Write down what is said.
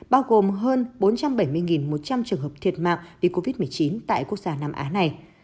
bao gồm hơn bốn trăm bảy mươi một trăm linh trường hợp thiệt mạng vì covid một mươi chín tại quốc gia nam á này